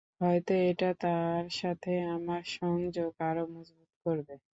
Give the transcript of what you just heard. হয়ত এটা তারসাথে আমার সংযোগ আরও মজবুত করবে।